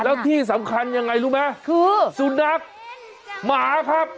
แล้วที่สำคัญยังไงรู้ไหมคือสุนัขหมาครับ